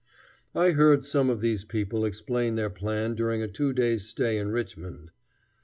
I heard some of these people explain their plan during a two days' stay in Richmond.